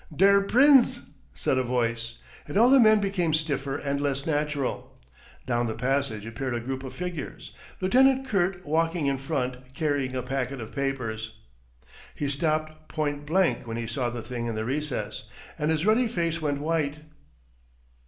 "Der Prinz," said a voice, and all the men became stiffer and less natural. Down the passage appeared a group of figures, Lieutenant Kurt walking in front carrying a packet of papers. He stopped point blank when he saw the thing in the recess, and his ruddy face went white.